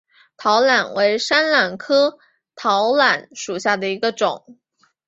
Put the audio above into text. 桃榄为山榄科桃榄属下的一个种。